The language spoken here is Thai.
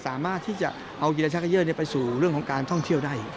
สามารถที่จะเอากีฬาชักเกยอร์ไปสู่เรื่องของการท่องเที่ยวได้